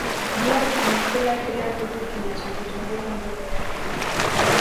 blob anakula kila kitu kinachojitokeza mbele yake